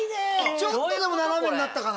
ちょっとでも斜めになったかな。